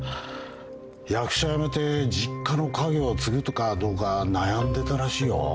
役者辞めて実家の家業を継ぐかどうか悩んでたらしいよ。